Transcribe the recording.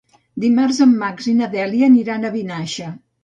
Dimarts en Max i na Dèlia aniran a Vinaixa.